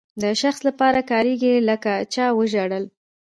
د شخص لپاره کاریږي لکه چا وژړل.